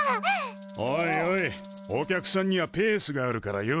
お客さんにはペースがあるからよ。